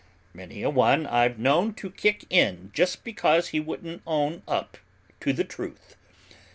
Many a one I've known to kick in just because he wouldn't own up to the truth."